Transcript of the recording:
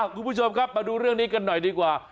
คุณผู้ชมครับมาดูเรื่องนี้กันหน่อยดีกว่า